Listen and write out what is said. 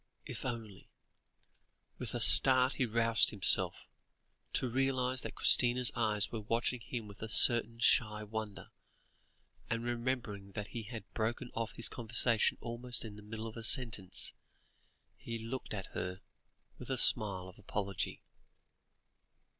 If only With a start he roused himself, to realise that Christina's eyes were watching him with a certain shy wonder, and remembering that he had broken off his conversation almost in the middle of a sentence, he looked at her with a smile of apology.